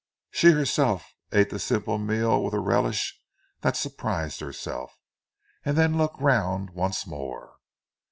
She herself ate the simple meal with a relish that surprised herself, and then looked round once more.